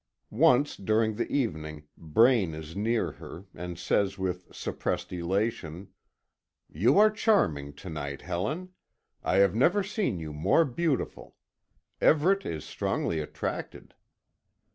Once, during the evening, Braine is near her, and says with suppressed elation: "You are charming to night, Helen. I have never seen you more beautiful. Everet is strongly attracted."